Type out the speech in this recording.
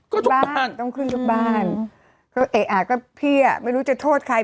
ก็บ้านต้องขึ้นทุกบ้านก็เอ๊ะอ่ะก็พี่อ่ะไม่รู้จะโทษใคร